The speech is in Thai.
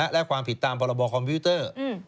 และความผิดตามพรบคอมพิวเตอร์